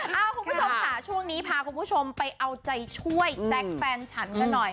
คุณผู้ชมค่ะช่วงนี้พาคุณผู้ชมไปเอาใจช่วยแจ๊คแฟนฉันกันหน่อย